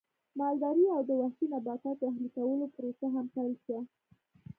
مالدارۍ او د وحشي نباتاتو اهلي کولو پروسه هم پیل شوه